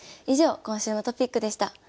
以上今週のトピックでした。